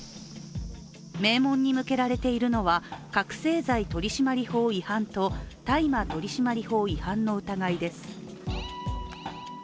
名門に向けられているのは覚醒剤取締法違反と大麻取締法違反の疑いです。